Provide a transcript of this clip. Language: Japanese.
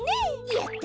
やった！